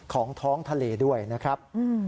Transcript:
ของท้องทะเลด้วยนะครับ